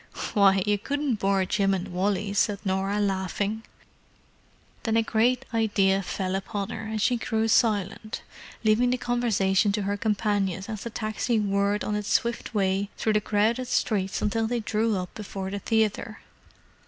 "Why, you couldn't bore Jim and Wally!" said Norah, laughing. Then a great idea fell upon her, and she grew silent, leaving the conversation to her companions as the taxi whirred on its swift way through the crowded streets until they drew up before the theatre.